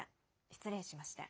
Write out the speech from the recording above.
失礼しました。